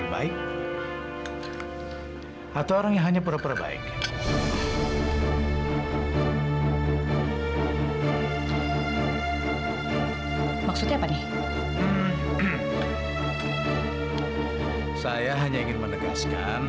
walaupun orang itu orang yang terdekat